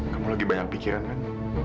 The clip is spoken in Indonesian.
kamu lagi banyak pikiran kan